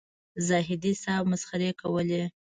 زاهدي صاحب مسخرې کولې.